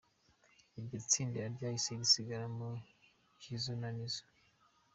Iryo tsinda ryahise risigaramo Jizo na Nizo.